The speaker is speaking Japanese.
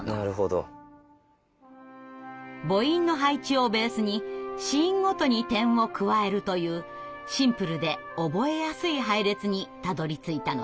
母音の配置をベースに子音ごとに点を加えるというシンプルで覚えやすい配列にたどりついたのです。